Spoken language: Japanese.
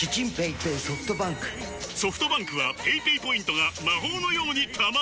ソフトバンクはペイペイポイントが魔法のように貯まる！